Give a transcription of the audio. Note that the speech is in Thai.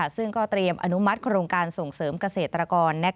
ซึ่งก็เตรียมอนุมัติโครงการส่งเสริมเกษตรกร